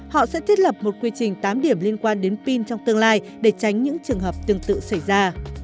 họ sẽ thiết lập một quy trình tám điểm liên quan đến pin trong tương lai để tránh những trường hợp tương tự xảy ra